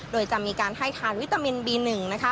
โดยจะมีการให้ทานวิตามินบี๑นะคะ